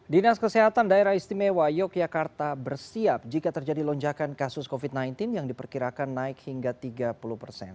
dinas kesehatan daerah istimewa yogyakarta bersiap jika terjadi lonjakan kasus covid sembilan belas yang diperkirakan naik hingga tiga puluh persen